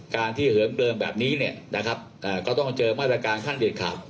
การที่เหิมเกลิมแบบนี้เนี่ยนะครับเอ่อก็ต้องเจอมาตรการคั่นเด็ดขาว